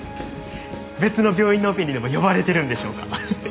別の病院のオペにでも呼ばれてるんでしょうか？